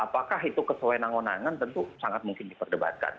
apakah itu kesewenang wenangan tentu sangat mungkin diperdebatkan